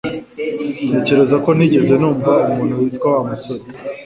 Ntekereza ko ntigeze numva umuntu witwa Wa musore